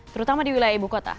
terutama di wilayah ibu kota